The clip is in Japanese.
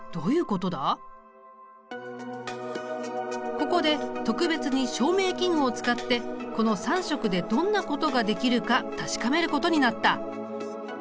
ここで特別に照明器具を使ってこの３色でどんなことができるか確かめることになった！